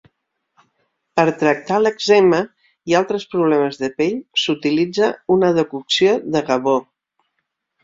Per tractar l'èczema i altres problemes de pell s'utilitza una decocció de gavó.